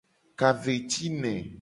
Ka ve ci ne.